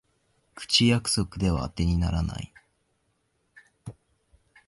口約束ではあてにならない